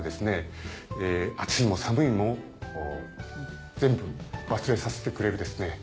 暑いも寒いも全部忘れさせてくれるですね